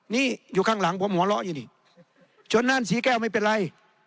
นี่อยู่ข้างหลังบอกหมอเหล้าอยู่นี่จนน่านสีแก้วไม่เป็นไร